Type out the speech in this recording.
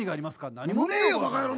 何もねえよ！